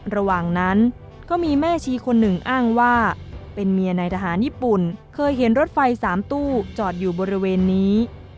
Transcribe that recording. ระหว่างนั้นก็มีแม่ชีคนหนึ่งอ้างว่าเป็นเมียในทหารญี่ปุ่นเคยเห็นรถไฟ๓ตู้จอดอยู่บริเวณนี้